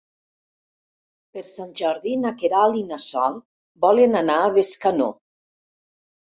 Per Sant Jordi na Queralt i na Sol volen anar a Bescanó.